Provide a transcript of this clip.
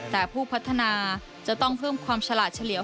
แต่ผู้พัฒนาจะต้องเพิ่มความฉลาดเฉลี่ยว